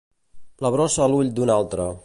La brossa a l'ull d'un altre.